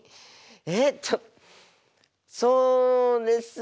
えっちょっそうですね。